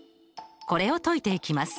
これを解いていきます。